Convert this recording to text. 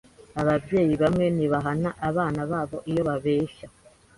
Ababyeyi bamwe ntibahana abana babo iyo babeshya.